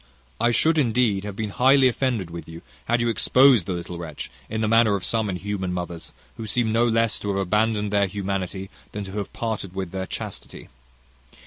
I should indeed have been highly offended with you had you exposed the little wretch in the manner of some inhuman mothers, who seem no less to have abandoned their humanity, than to have parted with their chastity.